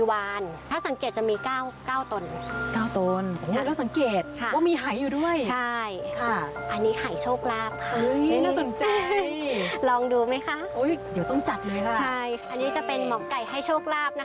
เห้ยน่าสนใจลองดูไหมคะโอ้ยเดี๋ยวต้องจัดเลยเลยครับใช่อันนี้จะเป็นหมอกไก่ไห้โชคลาบนะคะ